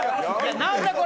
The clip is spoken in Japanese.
何だこれ！